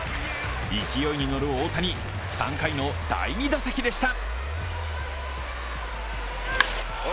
勢いに乗る大谷、３回の第２打席でした。